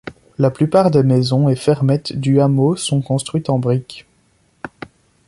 La plupart des maisons et fermettes du hameau sont construites en brique.